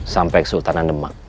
sampai sultanan demak